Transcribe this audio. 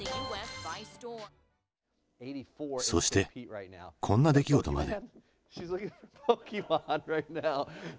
そしてこんな出来事まで。